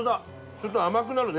ちょっと甘くなるね。